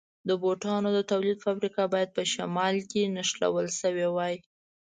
د بوټانو د تولید فابریکه باید په شمال کې نښلول شوې وای.